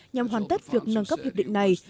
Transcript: nhằm hoàn tất việc nâng cấp hiệp định này